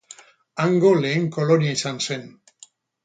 Hango lehen kolonia izan zen.